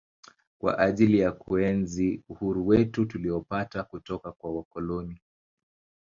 kwa ajili ya kuenzi uhuru wetu tulioupata kutoka kwa wakoloni